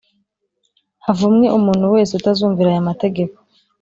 Havumwe umuntu wese utazumvira aya mategeko